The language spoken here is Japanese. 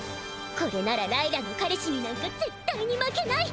これならライラの彼氏になんかぜったいに負けない！